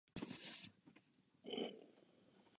Nic není méně jisté.